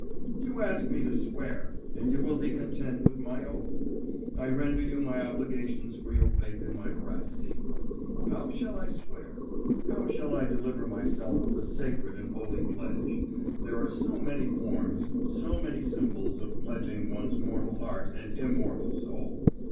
"You ask me to swear, and you will be content with my oath. I render you my obligations for your faith in my veracity. How shall I swear? How shall I deliver myself of the sacred and holy pledge? There are so many forms, so many symbols, of pledging one's mortal heart and immortal soul.